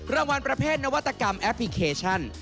รางวัลประเภทนวัตกรรมแอปพลิเคชัน